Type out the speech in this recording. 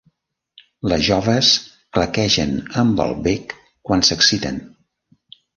Les joves claquegen amb el bec quan s'exciten.